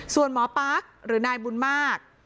ส่วนหมอปั๊กหรือนายบุญมาก